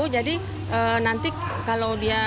jadi nanti kalau dia